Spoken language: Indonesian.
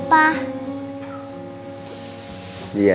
kamu kesini lagi pak